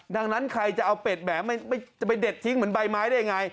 ดังนั้นใครจะเอาเป็ดแหมจะไปเด็ดทิ้งเหมือนใบไม้ได้ยังไง